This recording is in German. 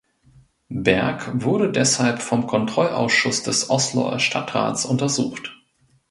Berg wurde deshalb vom Kontrollausschuss des Osloer Stadtrats untersucht.